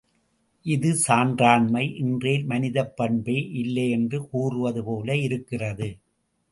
இது சான்றாண்மை இன்றேல் மனிதப் பண்பே இல்லையென்று கூறுவதுபோல இருக்கிறது.